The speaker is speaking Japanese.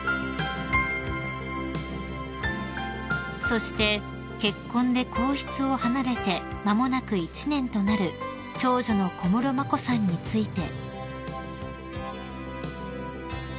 ［そして結婚で皇室を離れて間もなく１年となる長女の小室眞子さんについて］